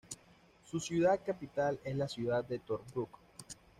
Su ciudad capital es la ciudad de Tobruk.